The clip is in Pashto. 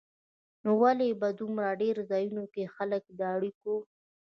نو ولې په دومره ډېرو ځایونو کې خلک د اړیکو